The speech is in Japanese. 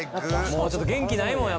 もうちょっと元気ないもん